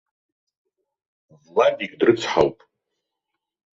Владик дрыцҳауп!